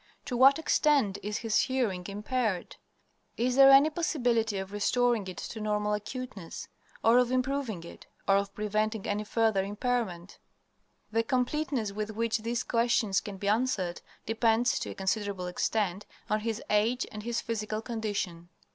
To what extent is his hearing impaired? Is there any possibility of restoring it to normal acuteness, or of improving it, or of preventing any further impairment? The completeness with which these questions can be answered depends, to a considerable extent, on his age and his physical condition.